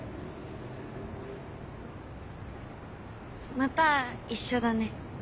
また一緒だね。